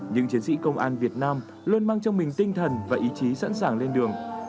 những chiến sĩ công an việt nam luôn mang trong mình tinh thần và ý chí sẵn sàng lên đường